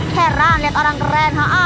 heran liat orang keren ha ha